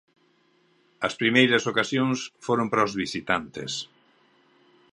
As primeiras ocasións foron para os visitantes.